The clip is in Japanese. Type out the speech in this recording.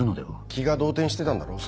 気が動転してたんだろう